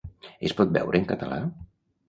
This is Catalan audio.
Es pot veure en català?